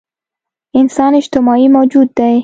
انسان اجتماعي موجود دی.